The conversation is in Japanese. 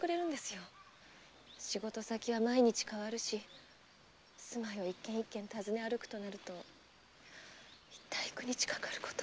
仕事先は毎日変わるし住まいを一軒一軒訪ね歩くとなるといったい幾日かかることか。